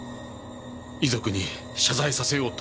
遺族に謝罪させようと。